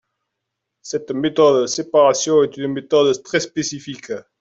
Cette méthode de séparation est une méthode très spécifique.